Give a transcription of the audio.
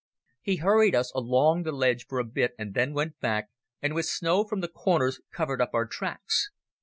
He hurried us along the ledge for a bit and then went back, and with snow from the corners covered up our tracks.